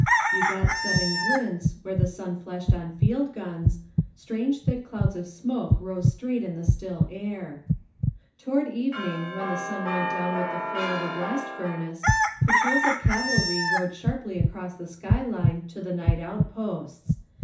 You got sudden glints, where the sun flashed on field guns; strange, thick clouds of smoke rose straight in the still air. Toward evening, when the sun went down with the flare of a blast furnace, patrols of cavalry rode sharply 1 •••••.: INSURGENT MEXICO acr<)ss the skyline to the night outposts.